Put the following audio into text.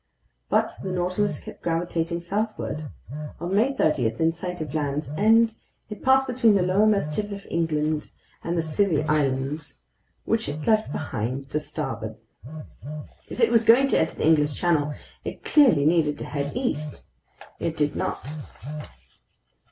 But the Nautilus kept gravitating southward. On May 30, in sight of Land's End, it passed between the lowermost tip of England and the Scilly Islands, which it left behind to starboard. If it was going to enter the English Channel, it clearly needed to head east. It did not.